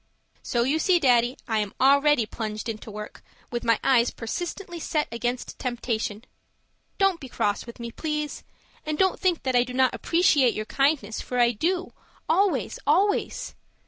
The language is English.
So you see, Daddy, I am already plunged into work with my eyes persistently set against temptation. Don't be cross with me, please, and don't think that I do not appreciate your kindness, for I do always always.